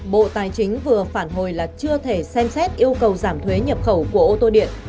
bộ tài chính vừa phản hồi là chưa thể xem xét yêu cầu giảm thuế nhập khẩu của ô tô điện